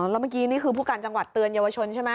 แล้วเมื่อกี้นี่คือผู้การจังหวัดเตือนเยาวชนใช่ไหม